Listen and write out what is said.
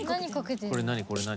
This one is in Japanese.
これ何？